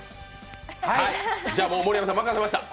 盛山さん、任せました。